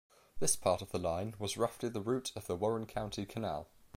This part of the line was roughly the route of the Warren County Canal.